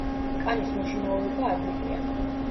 კანის მოშინაურება ადვილია.